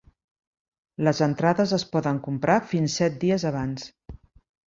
Les entrades es poden comprar fins set dies abans.